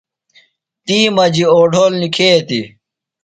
تی مجیۡ اوڈھول نِکھیتیۡ۔